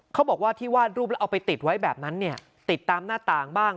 เขาบอกว่าที่วาดรูปแล้วเอาไปติดไว้แบบนั้นเนี่ยติดตามหน้าต่างบ้าง